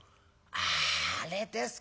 「あああれですか。